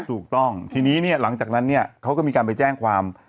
ถูกต้องทีนี้เนี่ยหลังจากนั้นเนี่ยเขาก็มีการไปแจ้งความ